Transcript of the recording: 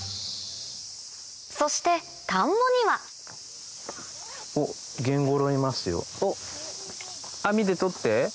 そして田んぼにはおっ網で捕って。